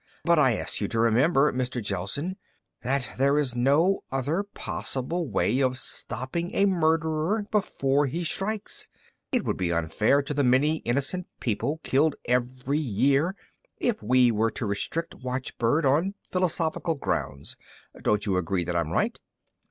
But I ask you to remember, Mr. Gelsen, that there is no other possible way of stopping a murderer before he strikes. It would be unfair to the many innocent people killed every year if we were to restrict watchbird on philosophical grounds. Don't you agree that I'm right?"